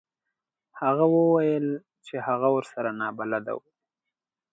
هغې وویل چې هغه ورسره نابلده و.